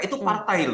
itu partai loh